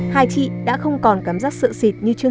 hai chị đã không còn cảm giác sợ xịt như trước